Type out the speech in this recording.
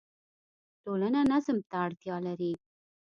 ټولنه نظم ته اړتیا لري.